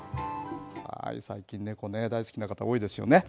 最近猫ね、大好きな方多いですよね。